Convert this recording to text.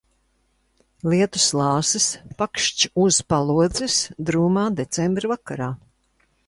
Lietus lāses pakšķ uz palodzes drūmā decembra vakarā.